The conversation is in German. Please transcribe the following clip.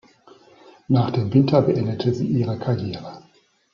Nach dem Winter beendete sie ihre Karriere.